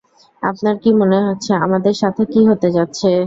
আপনার কী মনে হচ্ছে, আমাদের সাথে কী হতে যাচ্ছে?